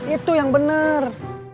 itu yang bener